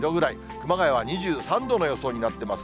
熊谷は２３度の予想になってます。